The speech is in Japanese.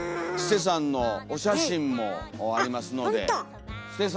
すてさんのお写真もありますので。